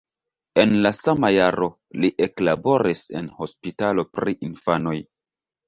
En la sama jaro li eklaboris en hospitalo pri infanoj.